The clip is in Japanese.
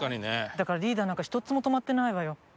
だからリーダーなんかひとつも止まってないわよ。